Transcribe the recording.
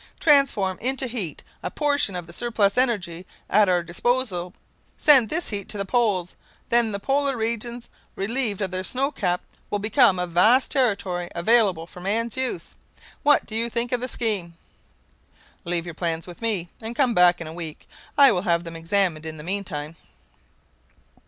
Transform into heat a portion of the surplus energy at our disposal; send this heat to the poles; then the polar regions, relieved of their snow cap, will become a vast territory available for man's use. What think you of the scheme?" "Leave your plans with me, and come back in a week. I will have them examined in the meantime."